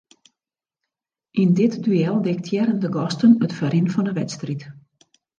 Yn dit duel diktearren de gasten it ferrin fan 'e wedstriid.